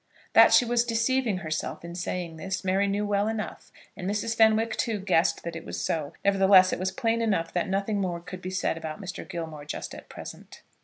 That she was deceiving herself in saying this Mary knew well enough; and Mrs. Fenwick, too, guessed that it was so. Nevertheless, it was plain enough that nothing more could be said about Mr. Gilmore just at present.